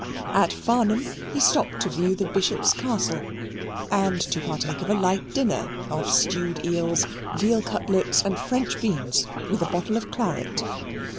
At Farnham he stopped to view the Bishop's Castle and to partake of a light dinner of stewed eels, veal cutlets, and French beans, with a bottle of claret.